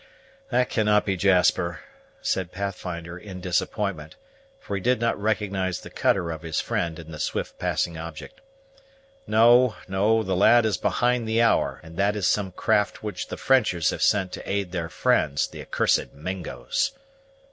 "That cannot be Jasper," said Pathfinder in disappointment; for he did not recognize the cutter of his friend in the swift passing object. "No, no, the lad is behind the hour; and that is some craft which the Frenchers have sent to aid their friends, the accursed Mingos."